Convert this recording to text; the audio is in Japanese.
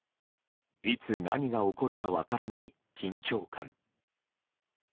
いつ何が起こるか分からない緊張感。